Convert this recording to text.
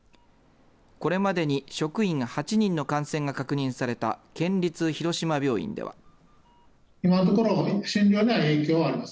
これまでに職員８人の感染が確認された県立広島病院では。